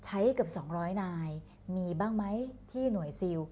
เกือบ๒๐๐นายมีบ้างไหมที่หน่วยซิล